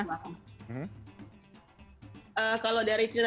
cerita punya kondisi gimana